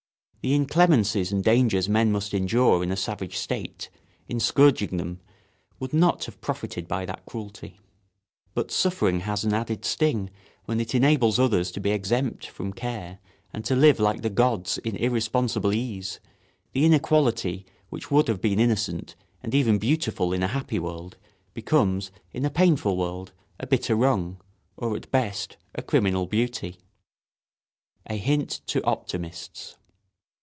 The inclemencies and dangers men must endure in a savage state, in scourging them, would not have profited by that cruelty. But suffering has an added sting when it enables others to be exempt from care and to live like the gods in irresponsible ease; the inequality which would have been innocent and even beautiful in a happy world becomes, in a painful world, a bitter wrong, or at best a criminal beauty. [Sidenote: A hint to optimists.